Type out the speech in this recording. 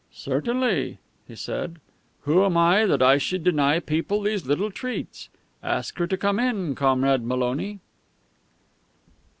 "Certainly," he said. "Who am I that I should deny people these little treats? Ask her to come in, Comrade Maloney."